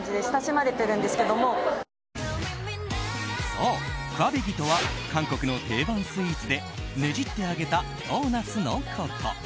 そう、クァベギとは韓国の定番スイーツでねじって揚げたドーナツのこと。